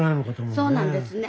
そうなんですね